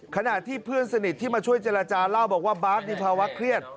ขณะที่เพื่อนสนิทที่มาช่วยเจรจาเล่าบอกว่าบาสมีภาวะเครียด